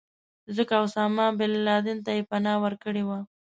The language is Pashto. ځکه اسامه بن لادن ته یې پناه ورکړې وه.